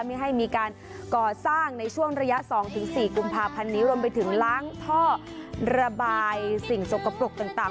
ไม่ให้มีการก่อสร้างในช่วงระยะ๒๔กุมภาพันธ์นี้รวมไปถึงล้างท่อระบายสิ่งสกปรกต่าง